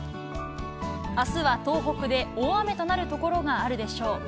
あすは東北で大雨となる所があるでしょう。